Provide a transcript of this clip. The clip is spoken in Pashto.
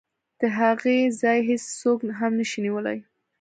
د هغې ځای هېڅوک هم نشي نیولی.